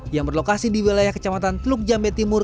yang berlokasi di wilayah kecamatan teluk jambe timur